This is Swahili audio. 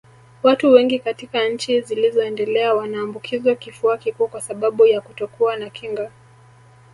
Watu wengi katika nchi zilizoendelea wanaambukizwa kifua kikuu kwa sababu ya kutokuwa na kinga